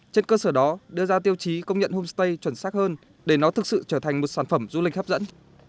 trên cơ sở đó đưa ra tiêu chí công nhận homestay chuẩn xác hơn để nó thực sự trở thành một sản phẩm du lịch hấp dẫn